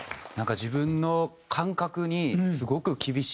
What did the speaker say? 自分の感覚にすごく厳しい方だなと。